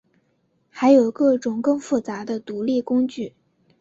还有各种更复杂的独立工具。